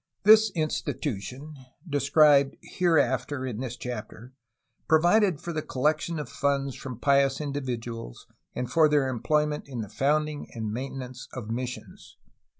This institution (described hereafter in this chapter) provided for the collection of funds from pious individuals and for their employment in the founding and maintenance of missions.